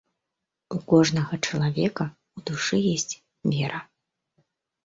У кожнага чалавека ў душы ёсць вера.